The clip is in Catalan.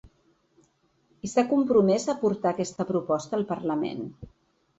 I s’ha compromès a portar aquesta proposta al parlament.